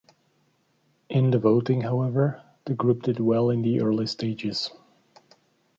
In the voting, however, the group did well in the early stages.